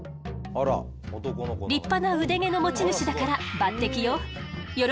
立派な腕毛の持ち主だから抜てきよ。